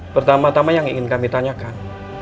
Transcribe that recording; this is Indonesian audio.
pertama tama yang ingin kami tanyakan